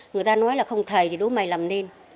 người ta nói là không thầy thì đố mày làm nên